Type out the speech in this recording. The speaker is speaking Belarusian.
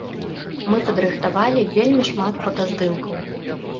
Мы падрыхтавалі вельмі шмат фотаздымкаў.